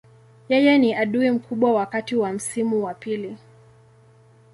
Yeye ni adui mkubwa wakati wa msimu wa pili.